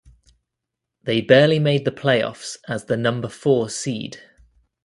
They barely made the playoffs as the number-four seed.